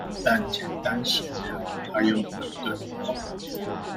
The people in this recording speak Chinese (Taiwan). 但簡單閒談，他又會對話